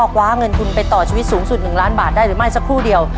คว้าเงินทุนไปต่อชีวิตสูงสุด๑ล้านบาทได้หรือไม่สักครู่เดียว